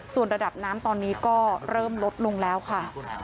ส่วนระดับน้ำตอนนี้ก็เริ่มลดลงแล้วค่ะ